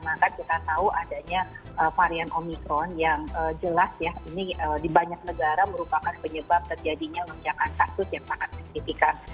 maka kita tahu adanya varian omikron yang jelas ya ini di banyak negara merupakan penyebab terjadinya lonjakan kasus yang sangat signifikan